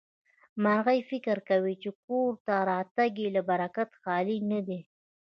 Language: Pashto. مرغۍ فکر کوي چې کور ته راتګ يې له برکته خالي نه دی.